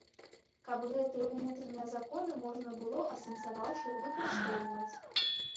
Каб гэтыя ўнутраныя законы можна было, асэнсаваўшы, выкарыстоўваць.